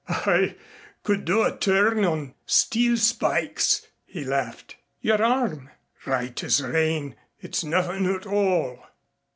"I could do a turn on steel spikes," he laughed. "Your arm?" "Right as rain. It's nothing at all."